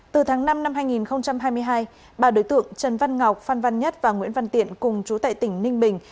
từ tháng năm năm hai nghìn hai mươi hai ba đối tượng trần văn ngọc phan văn nhất và nguyễn văn tiện cùng chú tại tỉnh ninh bình